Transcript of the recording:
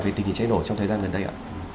về tình hình cháy nổ trong thời gian gần đây ạ